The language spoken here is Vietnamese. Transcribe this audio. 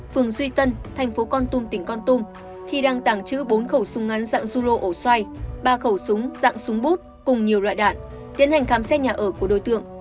phường duy tân tp con tung tỉnh con tung khi đang tảng trữ bốn khẩu súng ngắn dạng zulu ổ xoay ba khẩu súng dạng súng bút cùng nhiều loại đạn tiến hành khám xét nhà ở của đối tượng